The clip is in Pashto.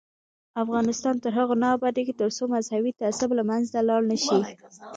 افغانستان تر هغو نه ابادیږي، ترڅو مذهبي تعصب له منځه لاړ نشي.